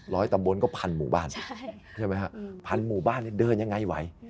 ตำบลก็พันหมู่บ้านใช่ไหมฮะพันหมู่บ้านเนี่ยเดินยังไงไหว